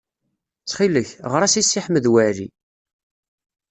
Ttxil-k, ɣer-as i Si Ḥmed Waɛli.